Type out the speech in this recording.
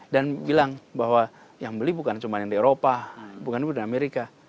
dan bilang bahwa yang beli bukan cuma yang di eropa bukan cuma yang di amerika